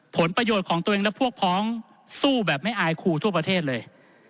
ผลประโยชน์ของตัวเองและพวกพ้องสู้แบบไม่อายคู่ทั่วประเทศเลย